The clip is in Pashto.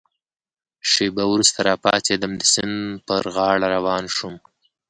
شېبه وروسته را پاڅېدم، د سیند پر غاړه روان شوم.